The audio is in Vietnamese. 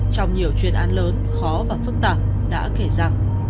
trong nhiều chuyên án lớn khó và phức tạp đã kể rằng